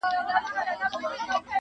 چي مي ښکار وي په هر ځای کي پیداکړی؛